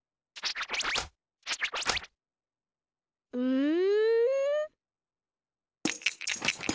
うん？